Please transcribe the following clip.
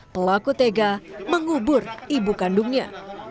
pelaku tega mengubur ibu kandungnya